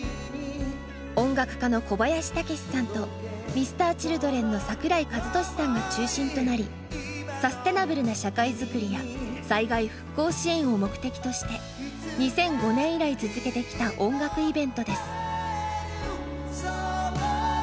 音楽家の小林武史さんとＭｒ．Ｃｈｉｌｄｒｅｎの櫻井和寿さんが中心となりサステナブルな社会作りや災害復興支援を目的として２００５年以来続けてきた音楽イベントです。